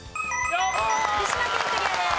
福島県クリアです。